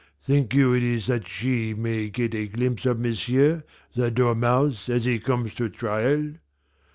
Think you it is that she may get a glimpse of m'sieu' the dormouse as he comes to trial?